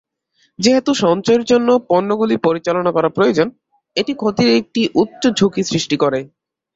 যেহেতু সঞ্চয়ের জন্য পণ্যগুলি পরিচালনা করা প্রয়োজন, এটি ক্ষতির একটি উচ্চ ঝুঁকি সৃষ্টি করে।